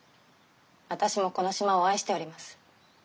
私もこの島を愛しております。